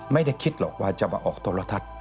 ไม่ได้คิดหรอกว่าจะมาออกโทรทัศน์